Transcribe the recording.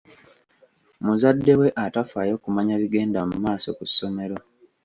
Muzadde we atafaayo kumanya bigenda mu maaso ku ssomero.